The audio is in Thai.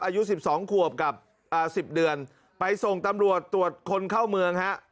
อายุ๑๒ขวบกับ๑๐เดือนไปส่งตำรวจตรวจคนเข้าเมืองฮะ